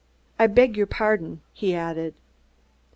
I beg your pardon," he added.